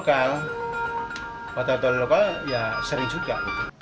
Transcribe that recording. atau hotel lokal ya sering juga